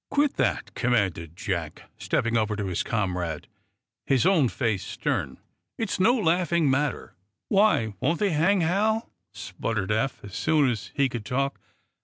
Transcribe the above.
"Quit that!" commanded Jack, stepping over to his comrade, his own face stern. "It's no laughing matter." "Why, they won't hang Hal!" sputtered Eph, as soon as he could talk.